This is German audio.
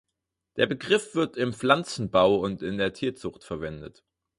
Der Begriff wird im Pflanzenbau und in der Tierzucht verwendet.